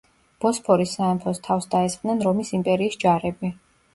ბოსფორის სამეფოს თავს დაესხნენ რომის იმპერიის ჯარები.